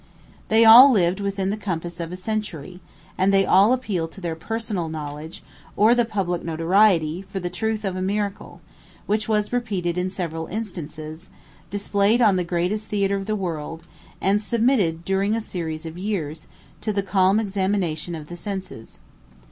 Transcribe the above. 125 They all lived within the compass of a century; and they all appeal to their personal knowledge, or the public notoriety, for the truth of a miracle, which was repeated in several instances, displayed on the greatest theatre of the world, and submitted, during a series of years, to the calm examination of the senses.